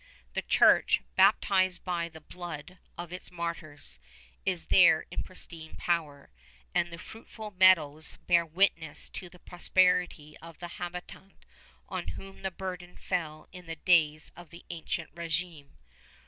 The church, baptized by the blood of its martyrs, is there in pristine power; and the fruitful meadows bear witness to the prosperity of the habitant on whom the burden fell in the days of the ancient régime.